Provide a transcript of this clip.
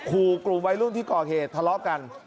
ขู่กลุ่มวัยรุ่นที่ก่อเหตุทะเลาะกัน